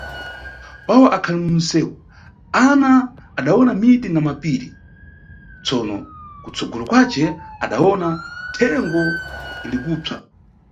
Pawo akhali munʼsewu, Ana adawona miti na mapiri, tsono kutsogolo kwace, adawona thengo likupsa.